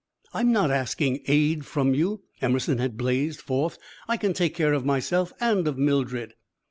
"I'm not asking aid from you," Emerson had blazed forth. "I can take care of myself and of Mildred."